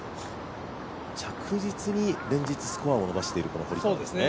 着実に連日スコアを伸ばしている堀川ですね。